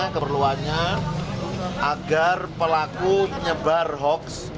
keperluannya agar pelaku menyebar hoax